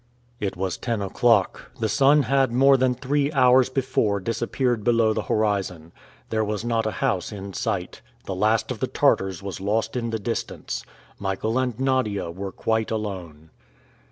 It was ten o'clock. The sun had more than three hours before disappeared below the horizon. There was not a house in sight. The last of the Tartars was lost in the distance. Michael and Nadia were quite alone.